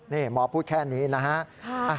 นี่หมอพูดแค่นี้นะฮะ